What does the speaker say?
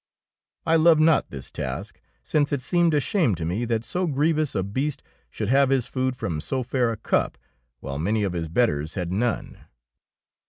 I loved not this task, since it seemed a shame to me that so grievous a beast should have his food from so fair a cup, while many of his betters had none.